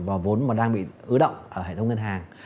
và vốn mà đang bị ứ động ở hệ thống ngân hàng